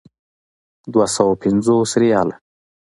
دوه سوه پنځوس ریاله.